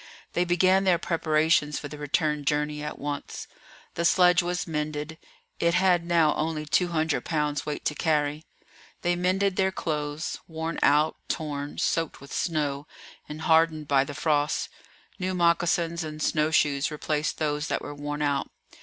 They began their preparations for the return journey at once. The sledge was mended; it had now only two hundred pounds weight to carry. They mended their clothes, worn out, torn, soaked with snow, and hardened by the frost; new moccasins and snow shoes replaced those that were worn out.